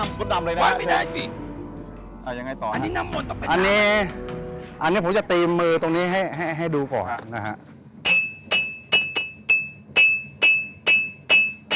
เอามาทาบหน้ามสุดดำเลยนะครับเชฟย์อันนี้ผมจะตีมือตรงนี้ให้ดูก่อนนะฮะ